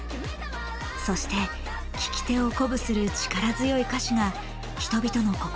そして聞き手を鼓舞する力強い歌詞が人々の心を捉えています。